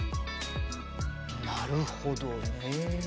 なるほどねぇ。